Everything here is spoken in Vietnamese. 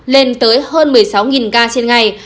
lên tới hơn một mươi sáu ca trên ngày